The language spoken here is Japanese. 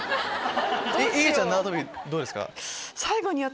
いげちゃん縄跳びどうですか？